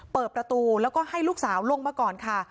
เปิดประตูแล้วก็ให้ลูกสาวลงมาก่อนค่ะ